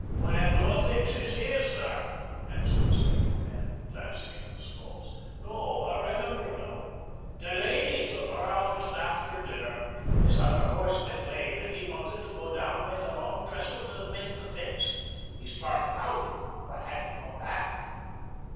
"Why, I don't think she's here, sir," answered the stableman, glancing into the stalls. "No, I remember now. Delaney took her out just after dinner. His other horse went lame and he wanted to go down by the Long Trestle to mend the fence. He started out, but had to come back."